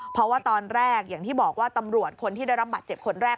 เพราะว่าตอนแรกอย่างที่บอกว่าตำรวจคนที่ได้รับบาดเจ็บคนแรก